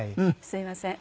すみません。